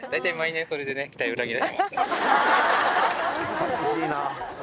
寂しいな。